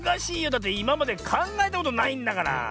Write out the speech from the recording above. だっていままでかんがえたことないんだから。